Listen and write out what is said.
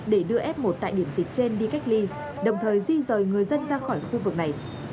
để đưa f một tại điểm dịch trên đi cách ly đồng thời di rời người dân ra khỏi khu vực này